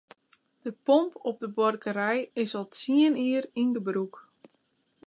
De pomp op de buorkerij is al tsien jier yn gebrûk.